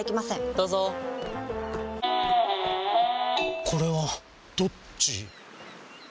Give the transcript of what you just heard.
どうぞこれはどっち？